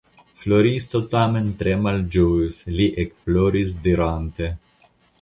Floriso tamen tre malĝojis; li ekploris dirante.